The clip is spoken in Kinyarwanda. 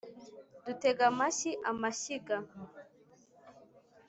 dutega amashyi amashyiga